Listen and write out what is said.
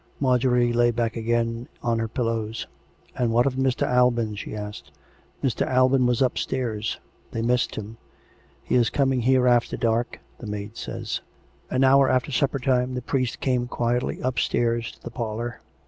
Marjorie lay back again on her pillows. " And what of Mr. Alban ?" she asked. " Mr. Alban was upstairs. They missed him. He is coming here after dark, the maid says." An hour after supper time the priest came quietly up stairs to the parlour.